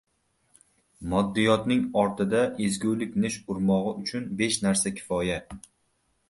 — Moddiyotning ortida ezgulik nish urmog‘i uchun besh narsa kifoya: